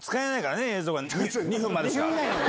２分までしか。